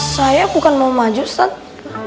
saya bukan mau maju stag